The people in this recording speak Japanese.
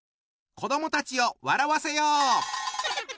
子どもたちを笑わせよう！